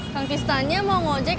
ketistannya mau ngoejek